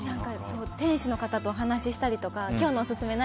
店主の方とお話したりとか今日のオススメ何？